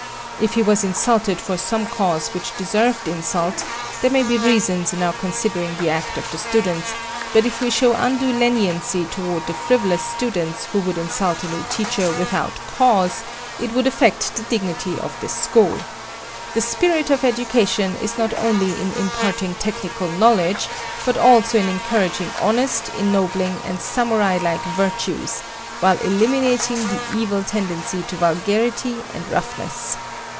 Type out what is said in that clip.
If he was insulted for some cause which deserved insult, there may be reasons in our considering the act of the students, but if we show undue leniency toward the frivolous students who would insult a new teacher without cause, it would affect the dignity of this school. The spirit of education is not only in imparting technical knowledges, but also in encouraging honest, ennobling and samurai like virtues, while eliminating the evil tendency to vulgarity and roughness.